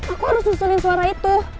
aku harus nyusulin suara itu